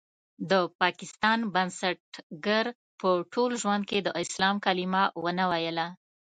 د پاکستان بنسټګر په ټول ژوند کې د اسلام کلمه ونه ويله.